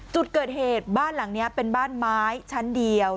จุดเกิดเหตุบ้านหลังนี้เป็นบ้านไม้ชั้นเดียว